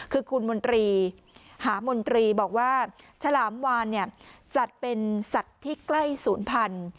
คือคุณมนตรีหามนตรีบอกว่าฉลามวานเนี่ยจัดเป็นสัตว์ที่ใกล้ศูนย์พันธุ์